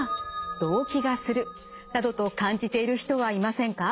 動悸がするなどと感じている人はいませんか？